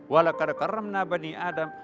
walakadakaram nabani adam